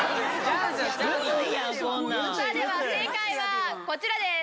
さあでは正解はこちらです。